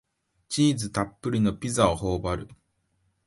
チーズたっぷりのピザをほおばる